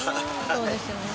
そうですよね。